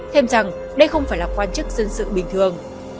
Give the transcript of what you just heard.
thêm rằng đây không phải là quan chức dân sự bình thường